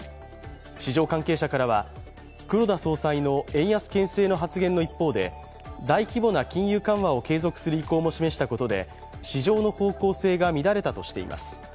市場関係者からは、黒田総裁の円安けん制の発言の一方で大規模な金融緩和を継続する意向も示したことで市場の方向性が乱れたとしています。